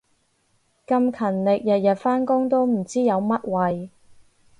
咁勤力日日返工都唔知有乜謂